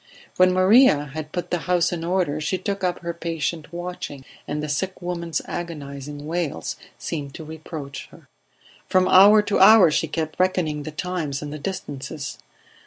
When Maria had put the house in order she took up her patient watching, and the sick woman's agonizing wails seemed to reproach her. From hour to hour she kept reckoning the times and the distances.